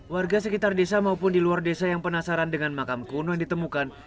warga sekitar desa maupun di luar desa yang penasaran dengan makam kuno yang ditemukan